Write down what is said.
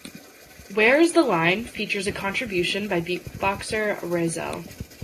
"Where Is the Line" features a contribution by beatboxer Rahzel.